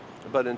lần đầu tháng